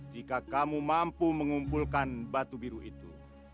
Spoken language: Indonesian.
jika kamu mampu mengumpulkan batu biru itu